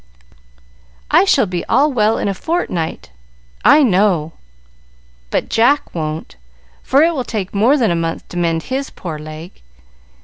"I shall be all well in a fortnight, I know; but Jack won't, for it will take more than a month to mend his poor leg.